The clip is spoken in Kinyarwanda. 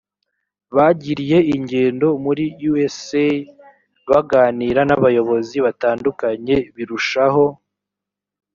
bagiriye ingendo muri usa baganira n abayobozi batandukanye birushaho